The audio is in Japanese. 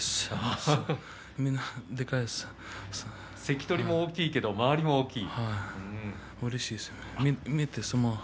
関取も大きいけど周り大きい。